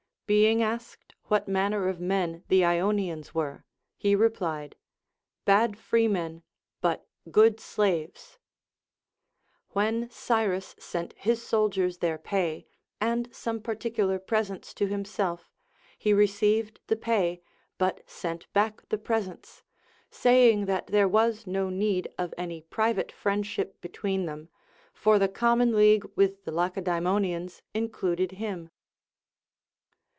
Being asked what manner of men the lonians were, he replied, Bad freemen, but good shwes. AVhen Cyrus sent his soldiers their pay, and some particular pres ents to himself, he received the pay, but sent back the presents, saying that there was no need of any private friendship between them, for the common league with the Lacedaemonians included him.